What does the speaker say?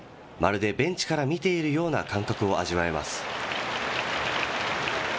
まるでベンチから見ているような感覚を味わえます。